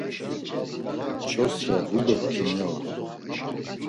Çost̆ra dido timya ort̆u.